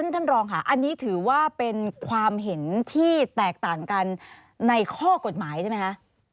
ท่านรองค่ะอันนี้ถือว่าเป็นความเห็นที่แตกต่างกันในข้อกฎหมายใช่ไหมคะ